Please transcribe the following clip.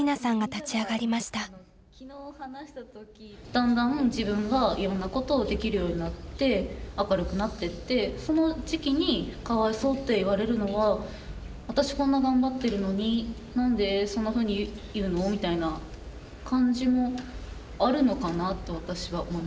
だんだん自分がいろんなことをできるようになって明るくなってってその時期に「かわいそう」って言われるのはみたいな感じもあるのかなと私は思いました。